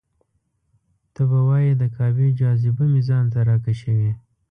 ته به وایې د کعبې جاذبه مې ځان ته راکشوي.